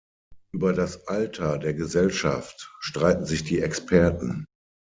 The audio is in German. Über das Alter der Gesellschaft streiten sich die Experten.